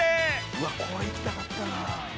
「うわっこれ行きたかったな」